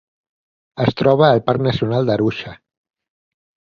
Es troba al parc nacional d'Arusha.